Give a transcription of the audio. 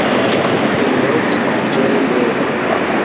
اي ميچ جوئي پيو.